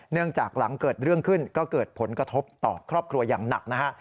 หลังจากหลังเกิดเรื่องขึ้นก็เกิดผลกระทบต่อครอบครัวอย่างหนักนะฮะ